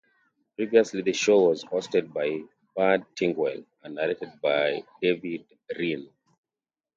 Previously the show was hosted by Bud Tingwell and narrated by David Reyne.